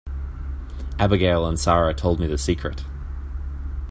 Abigail and Sara told me the secret.